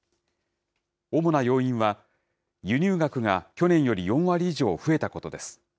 主な要因は、輸入額が去年より４割以上増えたことです。